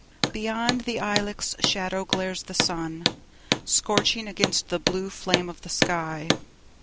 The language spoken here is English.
Beyond the ilex shadow glares the sun, Scorching against the blue flame of the sky.